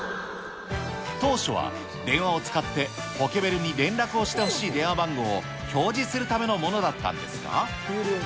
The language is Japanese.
当初は、電話を使ってポケベルに連絡をしてほしい電話番号を表示するためのものだったんですが。